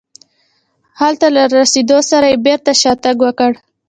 هلته له رسېدو سره یې بېرته شاتګ وکړ.